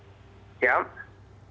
bagaimana dengan korban tewas